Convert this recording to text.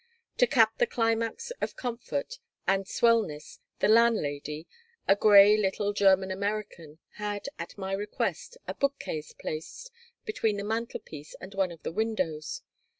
To cap the climax of comfort and "swellness," the landlady a gray little German American had, at my request, a bookcase placed between the mantelpiece and one of the windows.